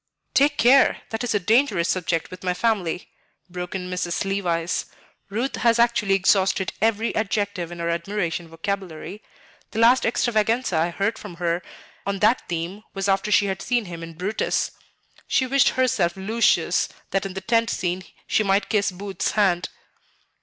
"Take care! That is a dangerous subject with my family," broke in Mrs. Levice. "Ruth has actually exhausted every adjective in her admiration vocabulary. The last extravaganza I heard from her on that theme was after she had seen him as Brutus; she wished herself Lucius, that in the tent scene she might kiss Booth's hand."